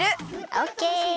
オッケー。